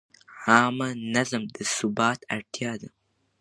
عامه نظم د ثبات اړتیا ده.